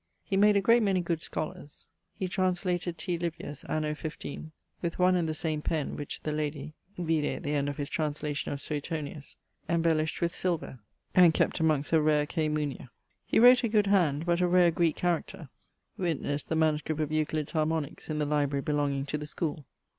He made a great many good scholars. He translated T. Livius, anno 15 , with one and the same pen, which the lady ... (vide at the end of his translation of Suetonius) embellished with silver, and kept amongst her rare κειμηλια. He wrote a good hand, but a rare Greeke character; witnesse the MS. of Euclid's Harmoniques in the library belonging to the schoole.